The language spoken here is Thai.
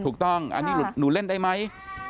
ถูกต้องอันนี้หนูเล่นได้ไหม